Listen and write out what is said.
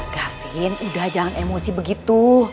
kavin udah jangan emosi begitu